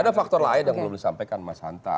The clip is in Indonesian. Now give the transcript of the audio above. ada faktor lain yang belum disampaikan mas hanta